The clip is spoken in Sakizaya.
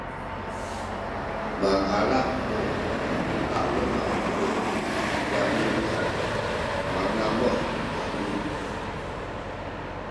maala nu tademaw ku tigami sa manamuh amin